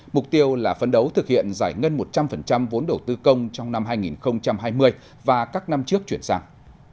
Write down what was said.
mục tiêu là phấn đấu thực hiện giải ngân một trăm linh vốn đầu tư công trong năm hai nghìn hai mươi và các năm trước chuyển sang